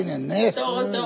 そうそう。